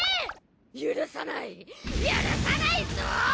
許さない許さないぞ！